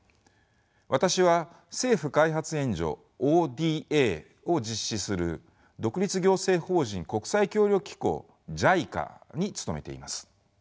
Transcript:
私は政府開発援助ＯＤＡを実施する独立行政法人国際協力機構ＪＩＣＡに勤めています。